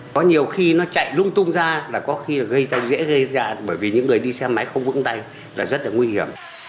có nhiều khi nó chạy lung tung ra là có khi là gây ra dễ gây ra bởi vì những người đi xe máy không vững tay là rất là nguy hiểm